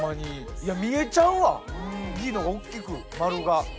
いや見えちゃうわＢの方が大きく丸が。